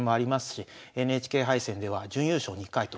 ＮＨＫ杯戦では準優勝２回と。